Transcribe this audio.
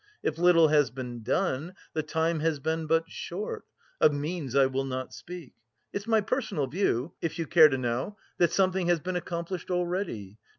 If little has been done, the time has been but short; of means I will not speak. It's my personal view, if you care to know, that something has been accomplished already.